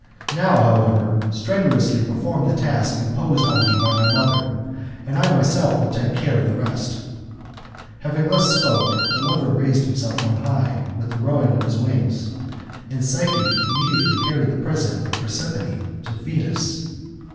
Now, however, strenuously perform the task imposed on thee by my mother, and I myself will take care of the rest. Having thus spoke, the lover raised . himself on high with the rowing of his wings, and Psyche \ immediately carried the present of Prosperine to Venus.